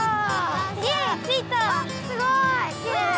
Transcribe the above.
あっすごいきれい。